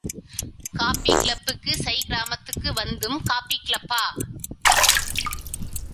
Copy கிளப்புக்கு சை கிராமத்துக்கு வந்தும் காப்பி கிளப்பா?